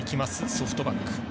ソフトバンク。１．５